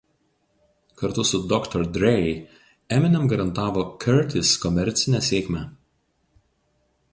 Kartu su Dr. Dre Eminem garantavo Curtis komercinę sėkmę.